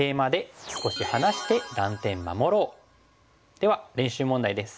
では練習問題です。